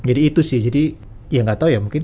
jadi itu sih jadi ya gak tau ya mungkin